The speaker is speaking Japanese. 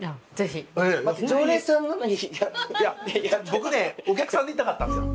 僕ねお客さんでいたかったんですよ。